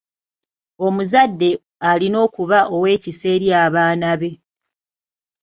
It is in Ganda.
Omuzadde alina okuba ow'ekisa eri abaana be.